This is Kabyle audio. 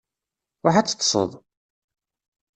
Ṛuḥ ad teṭṭseḍ!